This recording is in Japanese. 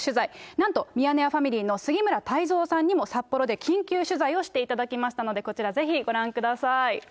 なんと、ミヤネ屋ファミリーの杉村太蔵さんにも札幌で緊急取材をしていただきましたので、こちら、ぜひご覧ください。